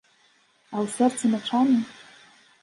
А ў сэрцы мячамі?